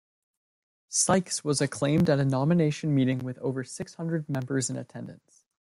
Sykes was acclaimed at a nomination meeting with over six-hundred members in attendance.